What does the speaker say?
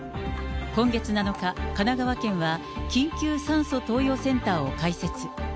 今月７日、神奈川県は、緊急酸素投与センターを開設。